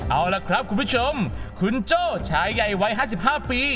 เอาล่ะครับคุณผู้ชมคุณโจ้ชายใหญ่วัย๕๕ปี